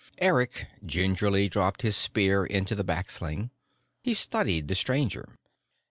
Eric gingerly dropped his spear into the back sling. He studied the Stranger.